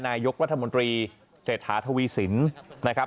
นายกรัฐมนตรีเศรษฐาทวีสินนะครับ